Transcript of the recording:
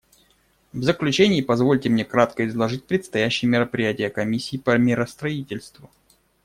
В заключение позвольте мне кратко изложить предстоящие мероприятия Комиссии по миростроительству.